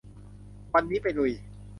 วันนี้ไปลุย